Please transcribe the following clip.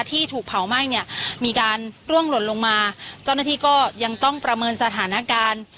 ที่ถูกเผาไหม้เนี่ยมีการร่วงหล่นลงมาเจ้าหน้าที่ก็ยังต้องประเมินสถานการณ์